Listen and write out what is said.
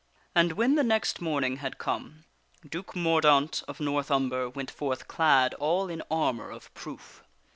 And when the next morning had come Duke Mordaunt of North Umber went forth clad all in armor of proof.